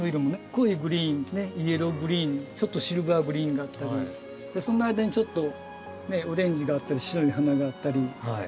濃いグリーンイエローグリーンにちょっとシルバーグリーンがあったりその間にちょっとオレンジがあったり白い花があったり。